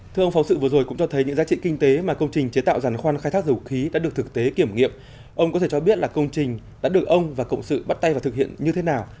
thưa ông phóng sự vừa rồi cũng cho thấy những giá trị kinh tế mà công trình chế tạo giàn khoan khai thác dầu khí đã được thực tế kiểm nghiệm ông có thể cho biết là công trình đã được ông và cộng sự bắt tay và thực hiện như thế nào